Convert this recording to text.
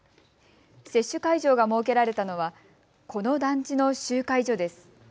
接種会場が設けられたのはこの団地の集会所です。